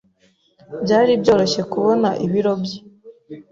Byari byoroshye kubona ibiro bye.